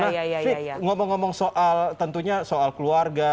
nah ngomong ngomong soal tentunya soal keluarga